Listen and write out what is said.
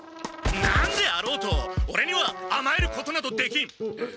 何であろうとオレにはあまえることなどできん！